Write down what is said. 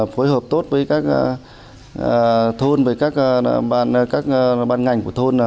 phối hợp tốt với các thôn các bàn ngành của thôn